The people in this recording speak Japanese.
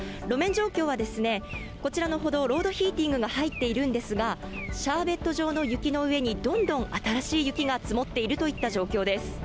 路面状況はこちらの歩道、ロードヒーティングが入っているんですが、シャーベット状の雪の上に、どんどん新しい雪が積もっているといった状況です。